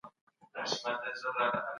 که ټولنه نه وي فرد نسي اوسیدلای.